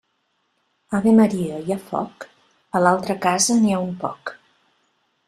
Ave Maria, hi ha foc? A l'altra casa n'hi ha un poc.